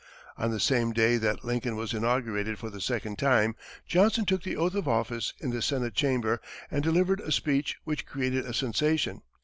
On the same day that Lincoln was inaugurated for the second time, Johnson took the oath of office in the Senate chamber, and delivered a speech which created a sensation.